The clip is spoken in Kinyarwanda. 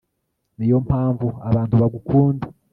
niyo mpamvu abantu bagukunda